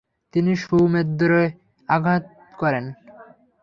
তিনি সুমদ্রে আঘাত করলেন।